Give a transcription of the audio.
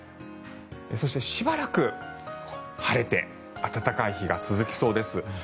そして、しばらく晴れて暖かい日が続きそうです。